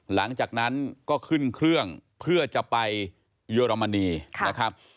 หลังจากนั้นก็ขึ้นเครื่องเพื่อจะไปเยอรมนีนะครับ